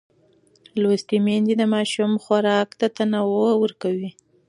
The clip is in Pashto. لوستې میندې د ماشوم خوراک ته تنوع ورکوي.